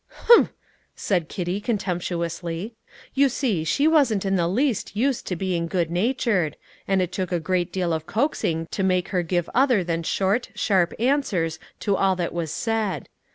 "Humph!" said Kitty contemptuously. You see she wasn't in the least used to being good natured, and it took a great deal of coaxing to make her give other than short, sharp answers to all that was said.